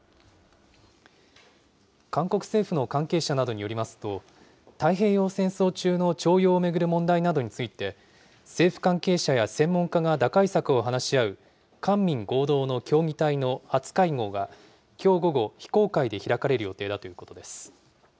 韓国政府の関係者などによりますと、太平洋戦争中の徴用を巡る問題などについて、政府関係者や専門家が打開策を話し合う官民合同の協議体の初会合が、きょう午後、非公開で開かれる予定だということです。